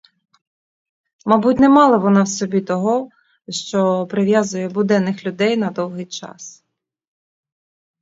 Мабуть, не мала вона в собі того, що прив'язує буденних людей на довгий час.